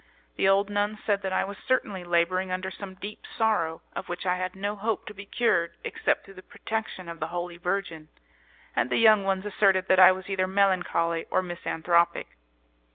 The old nuns said that I was certainly labouring under some deep sorrow, of which I had no hope to be cured except through the protection of the Holy Virgin, and the young ones asserted that I was either melancholy or misanthropic.